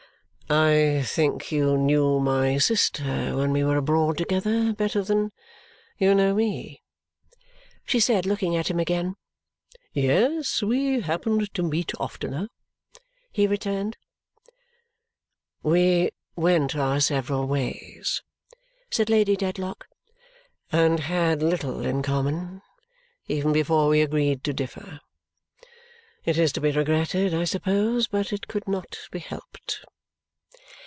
"I think you knew my sister when we were abroad together better than you know me?" she said, looking at him again. "Yes, we happened to meet oftener," he returned. "We went our several ways," said Lady Dedlock, "and had little in common even before we agreed to differ. It is to be regretted, I suppose, but it could not be helped."